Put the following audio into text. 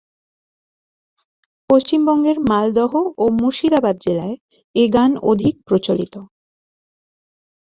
পশ্চিমবঙ্গের মালদহ ও মুর্শিদাবাদ জেলায় এ গান অধিক প্রচলিত।